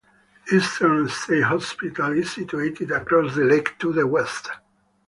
Eastern State Hospital is situated across the lake to the west.